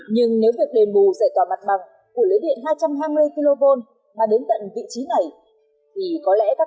nhưng nếu việc đền bù giải tỏa mặt bằng của lưới điện hai trăm hai mươi kv mà đến tận vị trí này thì có lẽ